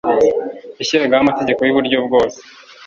yashyiragaho amategeko y'uburyo bwose